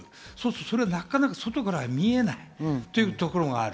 それがなかなか外からは見えないというところがある。